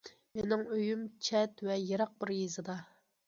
مېنىڭ ئۆيۈم چەت ۋە يىراق بىر يېزىدا.